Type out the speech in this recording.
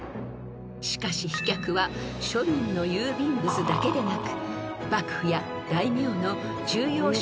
［しかし飛脚は庶民の郵便物だけでなく］